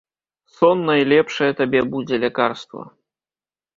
Сон найлепшае табе будзе лякарства.